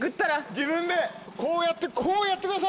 自分でこうやってこうやってください。